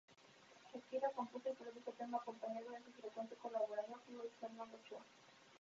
Shakira compuso y produjo el tema acompañada de su frecuente colaborador Luis Fernando Ochoa.